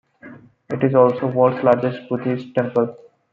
It is also the world's largest Buddhist temple.